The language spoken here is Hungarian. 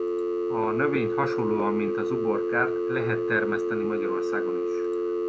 A növényt hasonlóan mint az uborkát lehet termeszteni Magyarországon is.